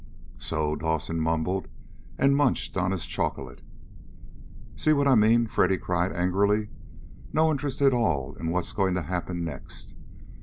"So?" Dawson mumbled, and munched on his chocolate. "See what I mean?" Freddy cried angrily. "No interest at all in what's going to happen next.